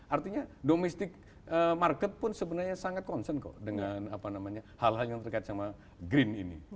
artinya domestic market pun sebenarnya sangat concern kok dengan hal hal yang terkait sama green ini